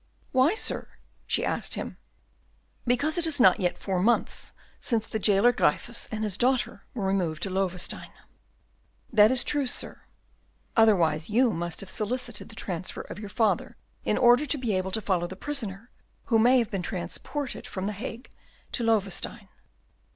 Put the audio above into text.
"Why, sir?" she asked him. "Because it is not yet four months since the jailer Gryphus and his daughter were removed to Loewestein." "That is true, sir." "Otherwise, you must have solicited the transfer of your father, in order to be able to follow some prisoner who may have been transported from the Hague to Loewestein."